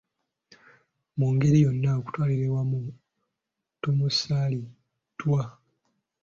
Mu ngeri yonna, okutwalira awamu tumusaaliddwa.